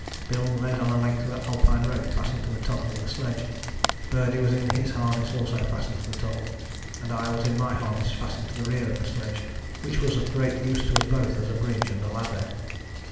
Bill led on a length of Alpine rope fastened to the toggle of the sledge; Birdie was in his harness also fastened to the toggle, and I was in my harness fastened to the rear of the sledge, which was of great use to us both as a bridge and a ladder.